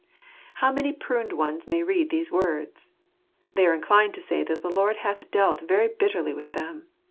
How many pruned ones may read these words ! They are inclined to say that the Lord hath dealt very bitterly with them.